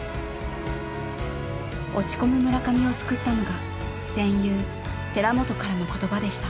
落ち込む村上を救ったのが“戦友”寺本からの言葉でした。